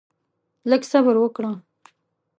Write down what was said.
لږ صبر وکړه؛